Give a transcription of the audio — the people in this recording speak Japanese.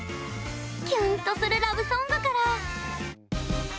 キュンとするラブソングから。